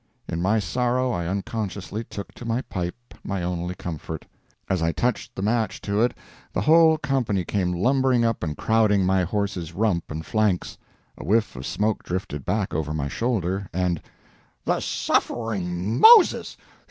In my sorrow I unconsciously took to my pipe, my only comfort. As I touched the match to it the whole company came lumbering up and crowding my horse's rump and flanks. A whiff of smoke drifted back over my shoulder, and "The suffering Moses!"